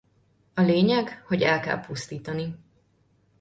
A lényeg hogy el kell pusztítani.